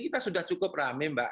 kita sudah cukup rame mbak